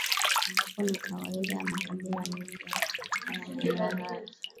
ambapo ni kawaida ya makabila mengi yanayopatikana maeneo haya